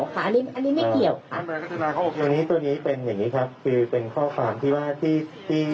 พี่โบ่พี่โบ่พี่โบ่ไม่ได้รูปไอ้ที่อ้าวอะไร